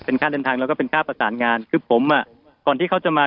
ค่าเดินทางแล้วก็เป็นค่าประสานงานคือผมอ่ะก่อนที่เขาจะมา